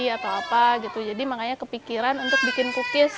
atau apa gitu jadi makanya kepikiran untuk bikin cookies